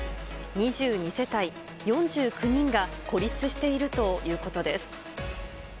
２２世帯４９人が孤立しているということです。